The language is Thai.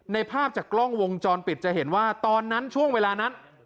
ภาพจากกล้องวงจรปิดจะเห็นว่าตอนนั้นช่วงเวลานั้น